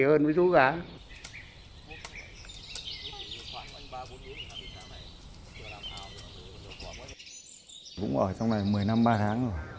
chúng tôi cũng ở trong này một mươi năm ba tháng rồi